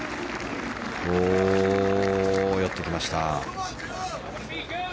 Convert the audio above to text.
寄ってきました。